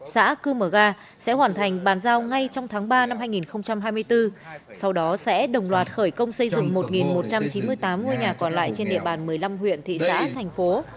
xã cư mờ ga sẽ hoàn thành bàn giao ngay trong tháng ba năm hai nghìn hai mươi bốn sau đó sẽ đồng loạt khởi công xây dựng một một trăm chín mươi tám ngôi nhà còn lại trên địa bàn một mươi năm huyện thị xã thành phố